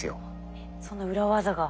えっそんな裏技が。